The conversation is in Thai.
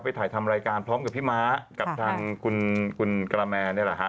ถ่ายทำรายการพร้อมกับพี่ม้ากับทางคุณกระแมนนี่แหละฮะ